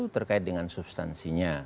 terkait dengan substansinya